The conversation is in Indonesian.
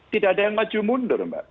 tidak ada yang maju mundur mbak